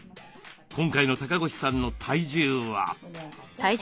今回の高越さんの体重は？